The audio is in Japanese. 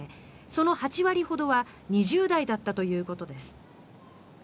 その８割ほどは２０代だったということです。